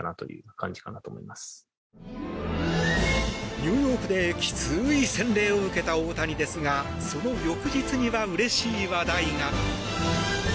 ニューヨークできつい洗礼を受けた大谷ですがその翌日にはうれしい話題が。